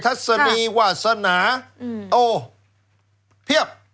ทัศนีวาสนาโอ้เพียบ